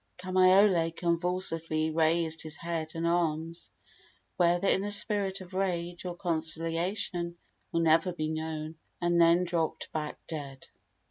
Kamaiole convulsively raised his head and arms whether in a spirit of rage or conciliation will never be known and then dropped back dead.